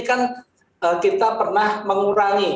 kan kita pernah mengurangi kan kita pernah mengurangi